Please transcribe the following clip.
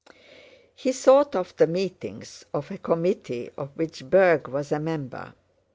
He thought of the meetings of a committee of which Berg was a member.